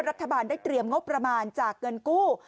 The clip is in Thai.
รัฐบาลได้เตรียมงบประมาณจากเงินกู้